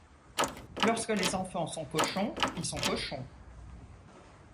Lorsque les enfants sont cochons, ils sont cochons…